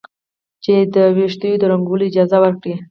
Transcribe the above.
چې د ویښتو د رنګولو اجازه ورکړي.